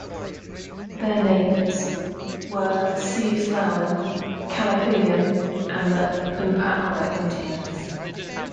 Their neighbors were Siuslauan, Kalapuyan, and the Umpqua Indians.